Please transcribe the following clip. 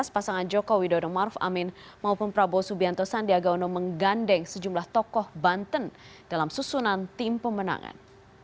pasangan joko widodo maruf amin maupun prabowo subianto sandiaga uno menggandeng sejumlah tokoh banten dalam susunan tim pemenangan